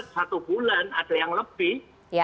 satu bulan ada yang lebih